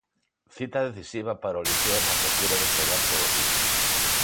Cita decisiva para o Liceo na procura de xogar polo título.